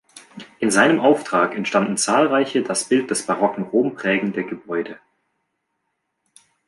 In seinem Auftrag entstanden zahlreiche das Bild des barocken Rom prägende Gebäude.